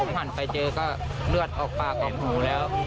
หันไปเจอก็เลือดออกปากออกหูแล้ว